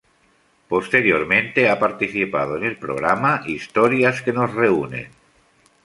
Posteriormente ha participado en el programa "Historias que nos reúnen".